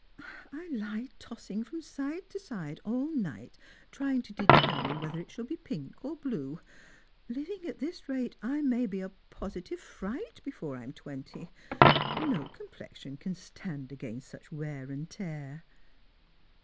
I lie tossing from side to side all night trying to determ$ie whether it shall be pink or blue. Living at this rate, I rnay be a positive fright before I am twenty; no complexion can stand against such wear and tear."